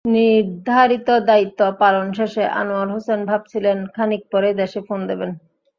নির্ধারিত দায়িত্ব পালন শেষে আনোয়ার হোসেন ভাবছিলেন, খানিক পরেই দেশে ফোন দেবেন।